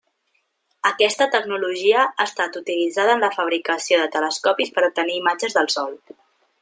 Aquesta tecnologia ha estat utilitzada en la fabricació de telescopis per obtenir imatges del Sol.